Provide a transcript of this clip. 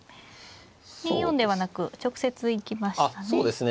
２四ではなく直接行きましたね。